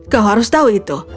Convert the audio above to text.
kau harus tahu itu